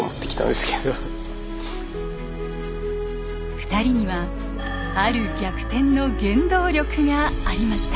２人にはある逆転の原動力がありました。